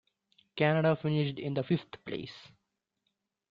Canada finished in fifth place.